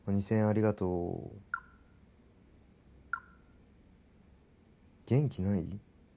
ありがとう元気ない？